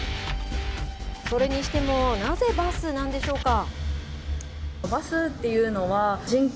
それにしてもなぜバスなんでしょうか。